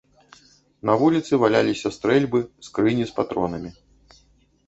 На вуліцы валяліся стрэльбы, скрыні з патронамі.